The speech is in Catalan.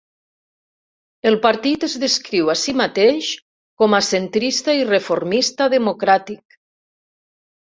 El partit es descriu a si mateix com a centrista i reformista democràtic.